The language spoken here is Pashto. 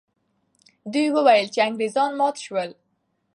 دوی وویل چې انګریزان مات سول.